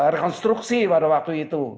rekonstruksi pada waktu itu